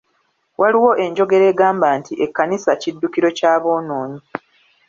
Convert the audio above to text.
Waliwo enjogera egamba nti ekkanisa kiddukiro ky’aboononyi.